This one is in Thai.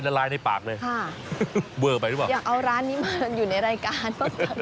ละลายในปากเลยค่ะเวอร์ไปหรือเปล่าอยากเอาร้านนี้มาอยู่ในรายการบ้าง